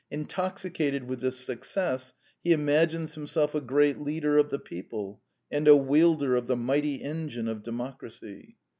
Intoxicated with this success, he imagines himself a great leader of the people and a wielder of the mighty engine of democracy.